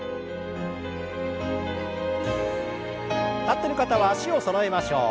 立ってる方は脚をそろえましょう。